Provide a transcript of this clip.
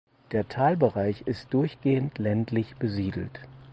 Der Talbereich ist durchgehend ländlich besiedelt.